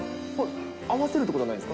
合わせるということはないんですか。